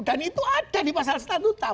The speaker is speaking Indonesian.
dan itu ada di pasal statuta